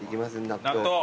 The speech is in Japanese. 納豆。